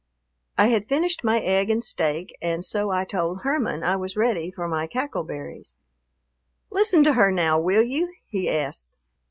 I had finished my egg and steak and so I told Herman I was ready for my cackle berries. "Listen to her now, will you?" he asked.